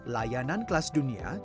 layanan kelas jaringan